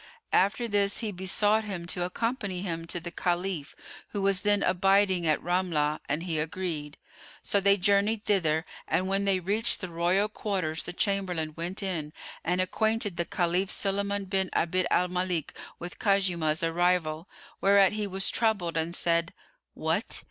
After this he besought him to accompany him to the Caliph who was then abiding at Ramlah[FN#108] and he agreed. So they journeyed thither, and when they reached the royal quarters the chamberlain went in and acquainted the Caliph Sulayman bin Abd al Malik with Khuzaymah's arrival, whereat he was troubled and said, "What!